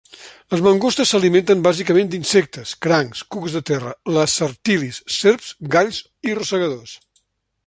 Les mangostes s'alimenten bàsicament d'insectes, crancs, cucs de terra, lacertilis, serps, galls i rosegadors.